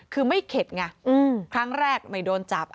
คือไม่เข็ดไงครั้งแรกไม่โดนจับ